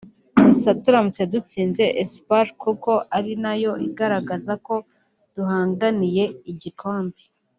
Gusa turamutse dutsinze Espoir kuko ari nayo igaragaza ko duhanganiye igikombe